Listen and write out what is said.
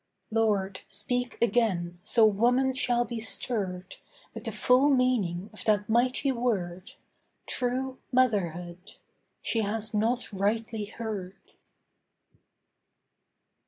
Lord, speak again, so woman shall be stirred With the full meaning of that mighty word True Motherhood. She has not rightly heard.